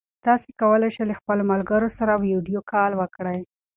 تاسي کولای شئ له خپلو ملګرو سره ویډیو کال وکړئ.